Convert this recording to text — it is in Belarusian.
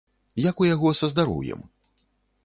Як у яго са здароўем?